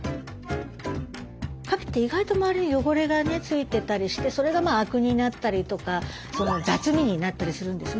かきって意外と周りに汚れが付いてたりしてそれがアクになったりとか雑味になったりするんですね。